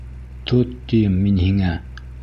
Тот, тием мин һиңә!